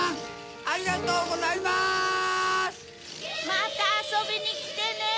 またあそびにきてね！